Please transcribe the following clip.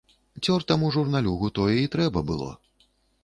Цёртаму журналюгу тое і трэба было.